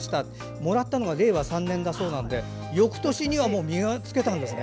もらったのは令和３年だそうでよくとしには実をつけたんですね。